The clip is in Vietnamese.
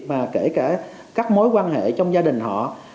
và kể cả các mối quan hệ trong gia đình họ